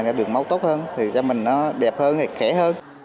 để được máu tốt hơn cho mình đẹp hơn khẽ hơn